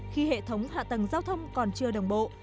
khi hệ thống hạ tầng giao thông còn chưa đồng bộ